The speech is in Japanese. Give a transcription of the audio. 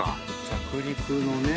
着陸のね。